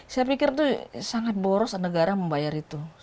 saya pikir itu sangat boros negara membayar itu